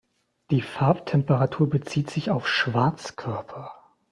Die Farbtemperatur bezieht sich auf Schwarzkörper.